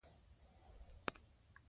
تاریخ یې ورک سوی دی.